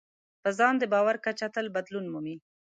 په ځان د باور کچه تل بدلون مومي.